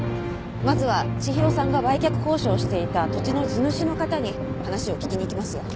まずは千尋さんが売却交渉をしていた土地の地主の方に話を聞きに行きますよ。